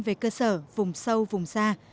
về cơ sở vùng sâu vùng xa